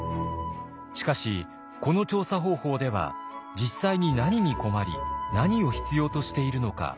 しかしこの調査方法では実際に何に困り何を必要としているのか見えてきませんでした。